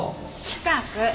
近く。